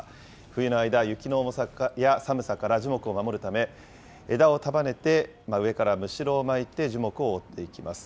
冬の間、雪の重さや寒さから樹木を守るため、枝を束ねて、上からむしろを巻いて樹木を覆っていきます。